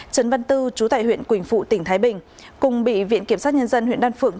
trấn văn tư chú tại huyện quỳnh phụ tỉnh thái bình cùng bị viện kiểm sát nhân dân huyện đan phượng